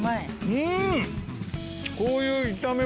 うん！